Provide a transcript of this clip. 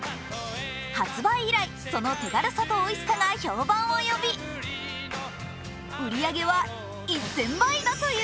発売以来その手軽さとおいしさが評判を呼び売り上げは１０００倍だという。